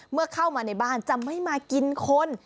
เมื่อเข้ามาในบ้านจะไม่มากินคน